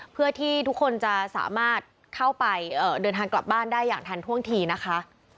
เพื่อที่ทุกคนจะสามารถเข้าไปเดินทางกลับบ้านได้อย่างทันท่วงทีนะคะ